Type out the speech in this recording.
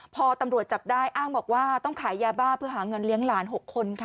พอตำรวจจับได้อ้างบอกว่าต้องขายยาบ้าเพื่อหาเงินเลี้ยงหลาน๖คนค่ะ